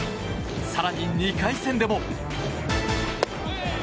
更に２回戦でも。